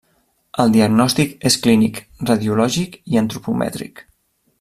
El diagnòstic és clínic, radiològic i antropomètric.